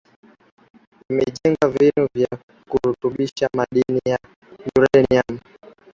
imejenga vinu vya kurutubisha madini ya uranium